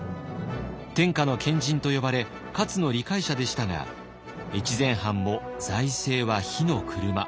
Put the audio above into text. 天下の賢人と呼ばれ勝の理解者でしたが越前藩も財政は火の車。